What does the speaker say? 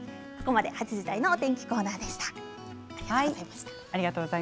８時台のお天気コーナーでした。